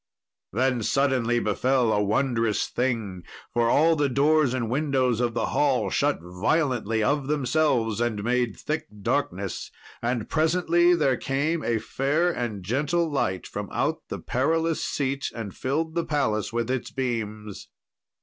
Then suddenly befell a wondrous thing, for all the doors and windows of the hall shut violently of themselves, and made thick darkness; and presently there came a fair and gentle light from out the Perilous Seat, and filled the palace with its beams.